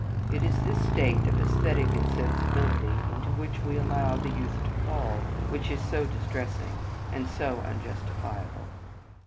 It is this state of "esthetic insensibility" into which we allow the youth to fall which is so distressing and so unjustifiable.